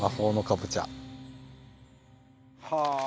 はあ！